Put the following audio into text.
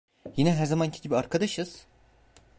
Yine her zamanki gibi arkadaşız?